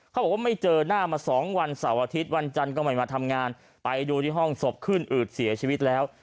เขาบอกว่าไม่เจอหน้ามาสองวันเสาร์อาทิตย์วันจันทร์ก็ไม่มาทำงานไปดูที่ห้องศพขึ้นอืดเสียชีวิตแล้ว